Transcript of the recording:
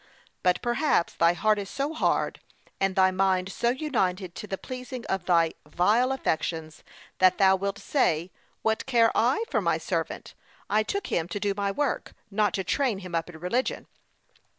But perhaps thy heart is so hard, and thy mind so united to the pleasing of thy vile affections, that thou wilt say, 'What care I for my servant? I took him to do my work, not to train him up in religion.